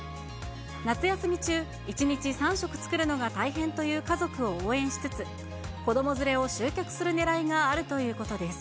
夏休み中、１日３食作るのが大変という家族を応援しつつ、子ども連れを集客するねらいがあるということです。